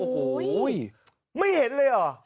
เฮ้ยไม่เห็นเลยหรอ